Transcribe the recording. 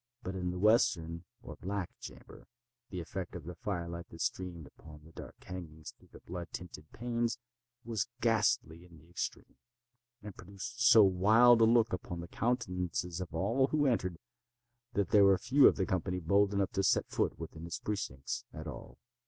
But in the western or black chamber the effect of the fire light that streamed upon the dark hangings through the blood tinted panes, was ghastly in the extreme, and produced so wild a look upon the countenances of those who entered, that there were few of the company bold enough to set foot within its precincts at all.